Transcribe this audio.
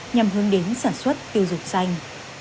nhằm hướng đến sản xuất tiêu dụng xanh